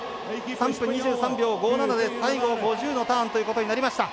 ３分２３秒５７で最後５０のターンということになりました。